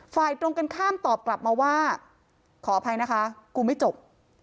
ฝ่ายตรงกันข้ามตอบกลับมาว่าขออภัยนะคะกูไม่จบ